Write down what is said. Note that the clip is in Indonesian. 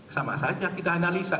sama saja kita menganalisa